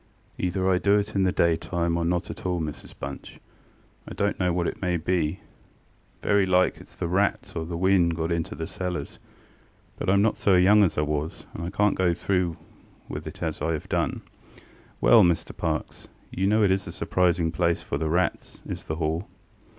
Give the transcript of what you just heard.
ŌĆ£Either I do it in the daytime or not at all, Mrs Bunch. I donŌĆÖt know what it may be: very like itŌĆÖs the rats, or the wind got into the cellars; but IŌĆÖm not so young as I was, and I canŌĆÖt go through with it as I have done. ŌĆØ ŌĆ£Well, Mr Parkes, you know it is a surprising place for the rats, is the Hall.